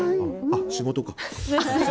あ、仕事か。